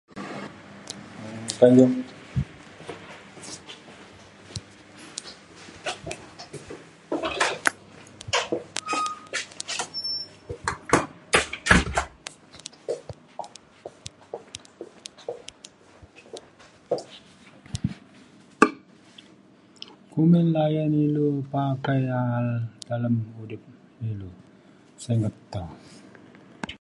kumbin layan ilu lepah tai um alem udip ilu singet tau